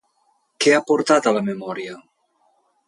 Què ha portat a la memòria?